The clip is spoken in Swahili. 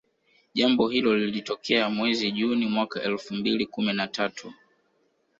Jambo hilo lilitokea mwezi juni mwaka elfu mbili kumi na tatau